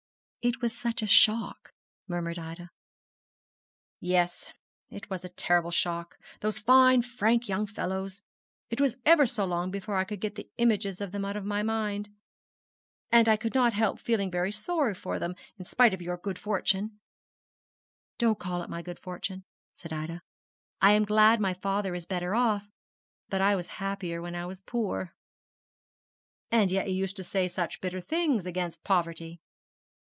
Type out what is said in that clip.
'It was such a shock,' murmured Ida. 'Yes, it was a terrible shock. Those fine frank young fellows! It was ever so long before I could get the images of them out of my mind. And I could not help feeling very sorry for them, in spite of your good fortune ' 'Don't call it my good fortune,' said Ida; 'I am glad my father is better off; but I was happier when I was poor.' 'And yet you used to say such bitter things about poverty?'